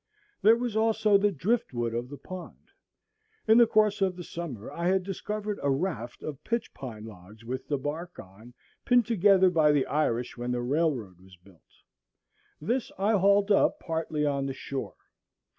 There was also the drift wood of the pond. In the course of the summer I had discovered a raft of pitch pine logs with the bark on, pinned together by the Irish when the railroad was built. This I hauled up partly on the shore.